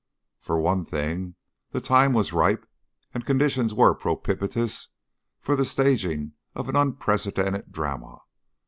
For one thing, the time was ripe and conditions were propitious for the staging of an unprecedented drama.